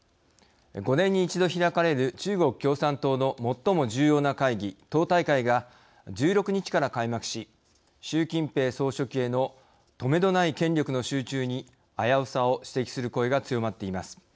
５年に一度開かれる中国共産党の最も重要な会議党大会が１６日から開幕し習近平総書記へのとめどない権力の集中に危うさを指摘する声が強まっています。